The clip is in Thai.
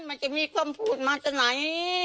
มันจะมีคำพูดมาจากไหน